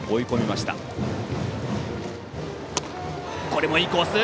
これもいいコース！